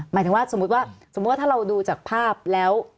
หมายถึงว่าสมมุติว่าสมมุติว่าถ้าเราดูจากภาพแล้ว